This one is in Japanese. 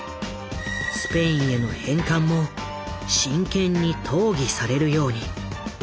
スペインへの返還も真剣に討議されるように。